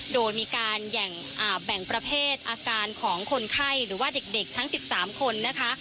โดยมีการแบ่งประเภทอาการของคนไข้หรือว่าเด็กทั้ง๑๓คนนะคะ